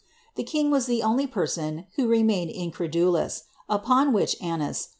The kinir was the only person who remained innredalou*, ufiM' which Anais.